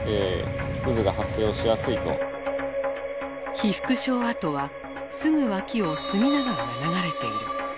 被服廠跡はすぐ脇を隅田川が流れている。